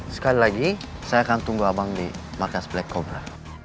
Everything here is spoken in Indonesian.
sekali lagi saya akan tunggu abang di markas black cobra